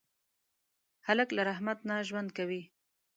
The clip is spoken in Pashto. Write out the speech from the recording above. هلک له رحمت نه ژوند کوي.